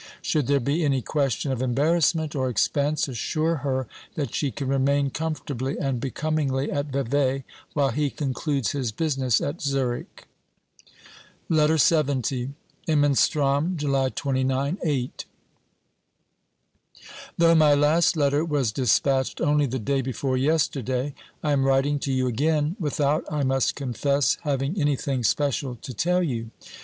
Should there be any question of embarrassment or expense, assure her that she can remain comfortably and becomingly at Vevey, while he concludes his business at Zurich. LETTER LXX luKNsrROMj/uly 29 (VIII). Though my last letter was despatched only the day before yesterday, I am writing to you again, without, I must confess, having anything special to tell you.